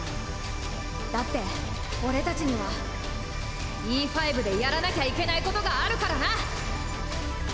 だって俺たちにはＥ５でやらなきゃいけないことがあるからな